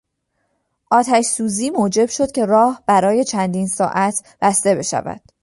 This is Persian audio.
آتشسوزی موجب شد که راه برای چندین ساعت بسته بشود.